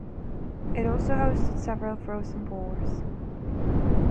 It also hosted several Frozen Fours.